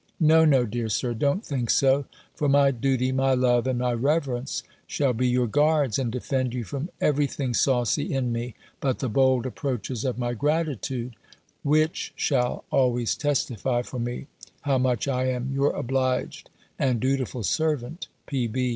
No, no, dear Sir, don't think so: for my duty, my love, and my reverence, shall be your guards, and defend you from every thing saucy in me, but the bold approaches of my gratitude, winch shall always testify for me, how much I am your obliged and dutiful servant, P.B.